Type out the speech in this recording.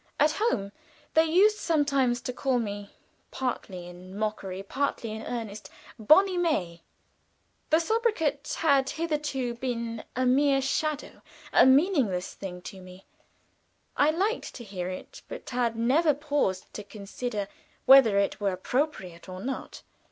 At home they used sometimes to call me, partly in mockery, partly in earnest, "Bonny May." The sobriquet had hitherto been a mere shadow, a meaningless thing, to me. I liked to hear it, but had never paused to consider whether it were appropriate or not.